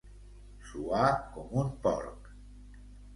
Suar com un porc.